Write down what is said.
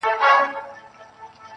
ما مجسمه د بې وفا په غېږ كي ايښې ده.